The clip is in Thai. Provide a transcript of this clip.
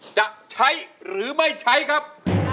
จะใช้หรือไม่ใช้ครับ